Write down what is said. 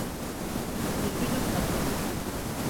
Üzgünüm patron.